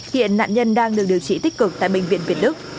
hiện nạn nhân đang được điều trị tích cực tại bệnh viện việt đức